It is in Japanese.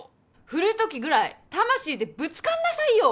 振るときぐらい魂でぶつかんなさいよ。